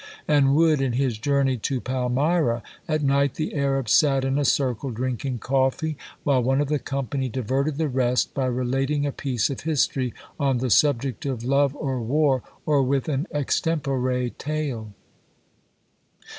And Wood, in his journey to Palmyra: "At night the Arabs sat in a circle drinking coffee, while one of the company diverted the rest by relating a piece of history on the subject of love or war, or with an extempore tale."